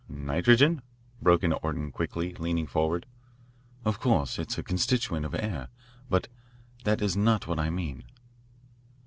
"Nitrogen?" broke in Orton quickly, leaning forward. "Of course; it is a constituent of air. But that is not what I mean."